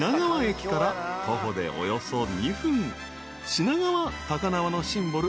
［品川高輪のシンボル